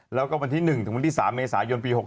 แล้วก็วันที่๑ถึงวันที่๓เมษายนปี๖๖